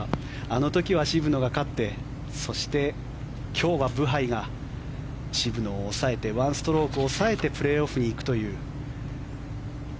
あの時は渋野が勝ってそして、今日はブハイが渋野を抑えて１ストローク抑えてプレーオフに行くという。